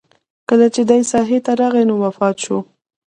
کله چې دې ساحې ته راغی نو وفات شو.